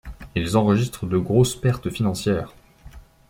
Ils enregistrent de grosses pertes financières.